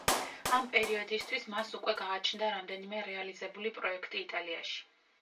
ამ პერიოდისთვის მას უკვე გააჩნდა რამდენიმე რეალიზებული პროექტი იტალიაში.